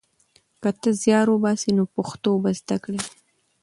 که ته زیار وباسې نو پښتو به زده کړې.